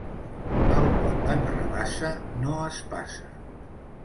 Al pont d'en Rabassa, no es passa.